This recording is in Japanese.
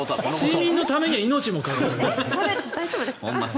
睡眠のためには命をかけます。